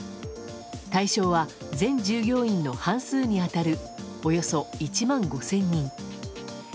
対象は全従業員の半数に当たるおよそ１万５０００人。